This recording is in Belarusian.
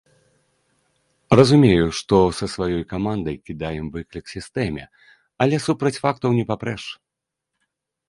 Разумею, што са сваёй камандай кідаем выклік сістэме, але супраць фактаў не папрэш.